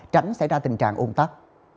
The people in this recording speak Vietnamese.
tránh xảy ra tình trạng ôn tắc